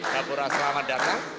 gapura selamat datang